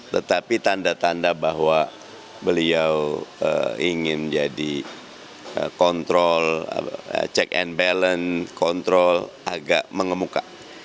tetapi tanda tanda bahwa beliau ingin jadi kontrol check and balance kontrol agak mengemuka